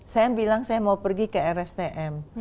saya bilang saya mau pergi ke rstm